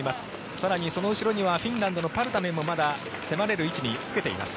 更にその後ろにはフィンランドのパルタネンもまだ迫れる位置につけています。